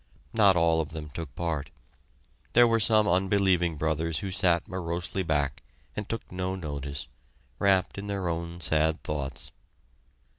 Not all of them took part. There were some unbelieving brothers who sat morosely back, and took no notice, wrapped in their own sad thoughts.